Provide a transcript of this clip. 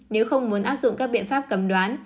nếu không muốn áp dụng các biện pháp cấm đoán